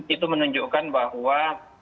itu menunjukkan bahwa